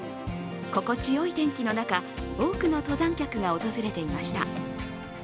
心地よい天気の中多くの登山客が訪れていました。